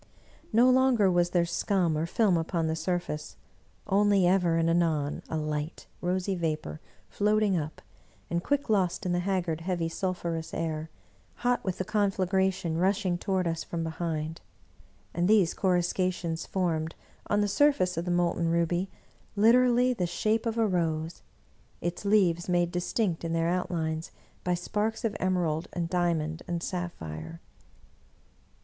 No longer was there scum or film upon the surface ; only ever and anon a light, rosy vapor floating up, and quick lost in the haggard, heavy, sulphurous air, hot with the conflagration rushing toward us from behind. And these coruscations formed, on the surface of the molten ruby, literally the shape of a rose, its leaves made distinct in their outlines by sparks of emerald and diamond and sapphire.